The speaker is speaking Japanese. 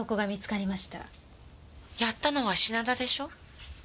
やったのは品田でしょ？